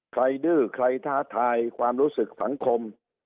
ดื้อใครท้าทายความรู้สึกสังคม